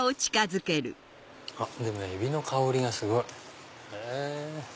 あっエビの香りがすごい。